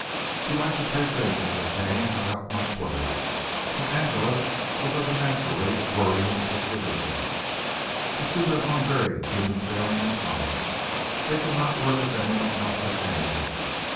She liked to take things as they came without much worry, while Angela was of a naturally worrying disposition. The two had one very human failing in common they could not work with anyone else at anything.